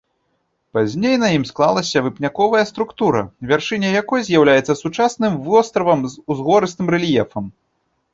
Пазней на ім склалася вапняковая структура, вяршыня якой з'яўляецца сучасным востравам з узгорыстым рэльефам.